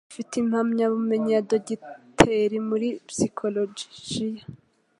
Afite impamyabumenyi ya dogiteri muri psychologiya.